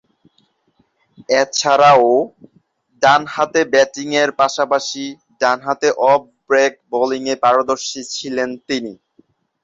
এছাড়াও, ডানহাতে ব্যাটিংয়ের পাশাপাশি ডানহাতে অফ ব্রেক বোলিংয়ে পারদর্শী ছিলেন তিনি।